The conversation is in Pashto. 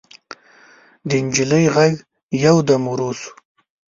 د نجلۍ غږ يودم ورو شو.